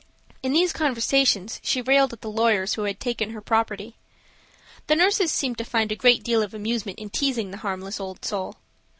In these conversations she railed at the lawyers who had taken her property. The nurses seemed to find a great deal of amusement in teasing the harmless old soul.